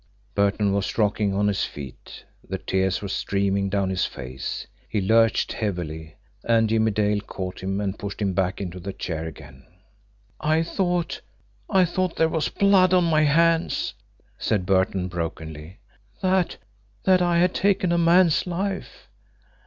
Burton was rocking on his feet, the tears were streaming down his face. He lurched heavily and Jimmie Dale caught him, and pushed him back into the chair again. "I thought I thought there was blood on my hands," said Burton brokenly; "that that I had taken a man's life.